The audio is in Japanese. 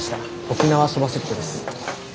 沖縄そばセットです。